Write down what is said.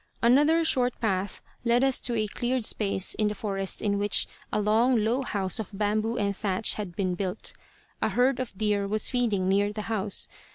Another short path led us to a cleared space in the forest in which a long, low house of bamboo and thatch had been built. A herd of deer was feeding near the house.